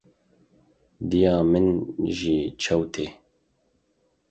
Dêya min jî çewt e.